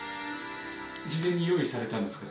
事前に用意されたんですか？